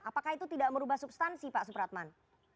apakah itu tidak merubah substansi pak supratman